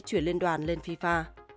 chuyển liên đoàn lên fifa